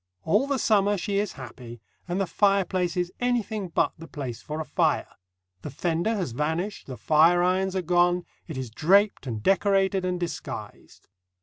All the summer she is happy, and the fireplace is anything but the place for a fire; the fender has vanished, the fireirons are gone, it is draped and decorated and disguised.